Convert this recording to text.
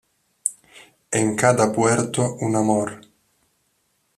En cada puerto un amor